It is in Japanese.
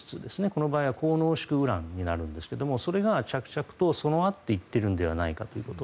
この場合は高濃縮ウランになるんですがそれが着々と備わっていっているんじゃないかということ。